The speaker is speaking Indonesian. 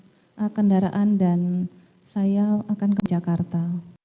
saya ingat saya minta ke kendaraan dan saya akan ke jakarta